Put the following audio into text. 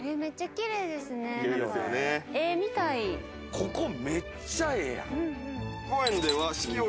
ここ、めっちゃええやん！